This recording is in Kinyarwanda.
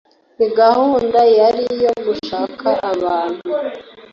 ni gahunda yariyo gushaka abantu